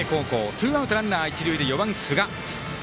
ツーアウト、ランナー、一塁で４番の寿賀。